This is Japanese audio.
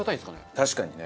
確かにね。